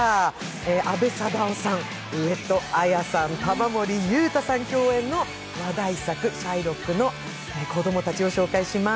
阿部サダヲさん、上戸彩さん、玉森裕太さん共演の「シャイロックの子供たち」を紹介します。